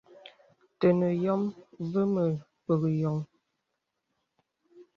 Tənə yɔ̄m və̄ mə̀ pək yɔŋ.